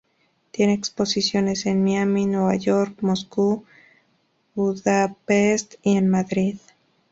Tiene exposiciones en Miami, New York, Moscú, Budapest y en Madrid.